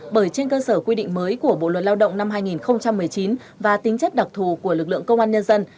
bởi trên cơ sở quy định mới của bộ luật lao động năm hai nghìn một mươi chín và tính chất đặc thù của lực lượng công an nhân dân